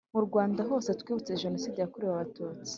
mu rwanda hose twibutse jenoside yakorewe abatutsi